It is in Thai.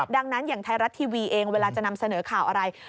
ดังนั้นอย่างไทยรัฐทีวีเองเวลาจะนำเสนอข่าวอะไร